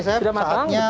sudah matang betul